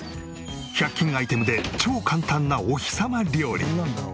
１００均アイテムで超簡単なお日さま料理。